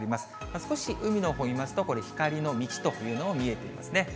少し海のほう見ますと、これ、光の道というのも見えていますね。